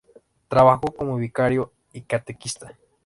Trabajó como vicario y catequista.